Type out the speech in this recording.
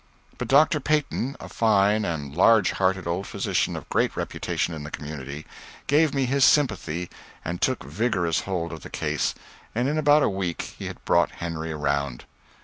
But Dr. Peyton, a fine and large hearted old physician of great reputation in the community, gave me his sympathy and took vigorous hold of the case, and in about a week he had brought Henry around.